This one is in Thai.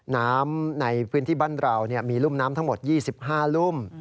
น้ำในพื้นที่บรรณาวเนี่ยมีลุมน้ำทั้งหมด๒๕ลุม